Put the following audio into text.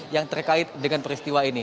yang terkait dengan peristiwa ini